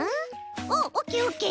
おおオッケーオッケー！